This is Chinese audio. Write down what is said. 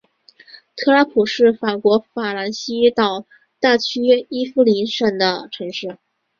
特拉普是法国法兰西岛大区伊夫林省的城市。